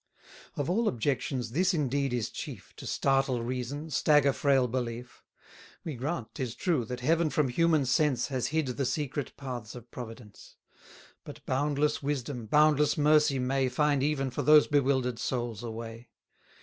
Of all objections this indeed is chief To startle reason, stagger frail belief: We grant, 'tis true, that Heaven from human sense Has hid the secret paths of Providence: But boundless wisdom, boundless mercy may Find even for those bewilder'd souls a way.